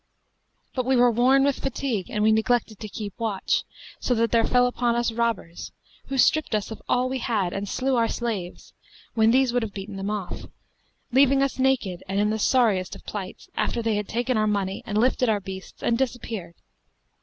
But we were worn with fatigue and we neglected to keep watch, so that there fell upon us robbers, who stripped us of all we had and slew our slaves, when these would have beaten them off, leaving us naked and in the sorriest of plights, after they had taken our money and lifted our beasts and disappeared.